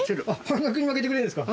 半額にまけてくれるんですか？